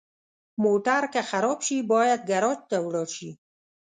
موټر که خراب شي، باید ګراج ته ولاړ شي.